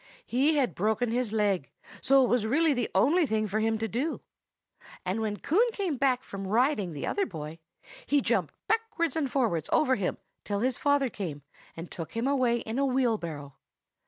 He had broken his leg, so it was really the only thing for him to do. And when Coon came back from riding the other boy he jumped backwards and forwards over him till his father came and took him away in a wheelbarrow.